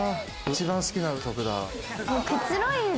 一番好きな曲だわ。